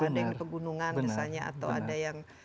ada yang di pegunungan misalnya atau ada yang